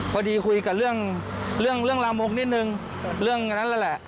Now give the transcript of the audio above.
พอดีคุยกับเรื่องเรื่องลามกนิดนึงเรื่องนั้นแหละ